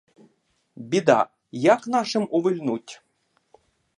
Біда! як нашим увильнуть?